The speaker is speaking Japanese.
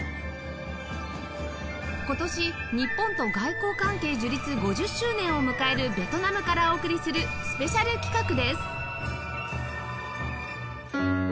今年日本と外交関係樹立５０周年を迎えるベトナムからお送りするスペシャル企画です